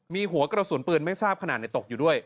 มีหัวกระสุนปืนไม่ทราบขนาดตกอยู่ด้วย